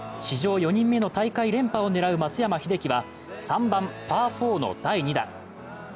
史上４人目の大会連覇を狙う松山英樹は３番パー４の第２打。